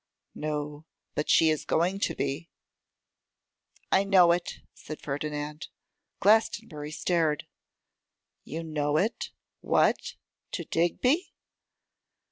'No; but she is going to be.' 'I know it,' said Ferdinand. Glastonbury stared. 'You know it? what! to Digby?